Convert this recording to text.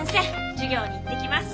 授業に行ってきます。